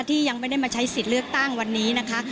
ที่ยังไม่ได้มาใช้สิทธิ์เลือกตั้งวันนี้นะคะ